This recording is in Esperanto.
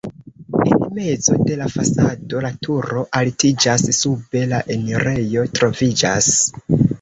En mezo de la fasado la turo altiĝas, sube la enirejo troviĝas.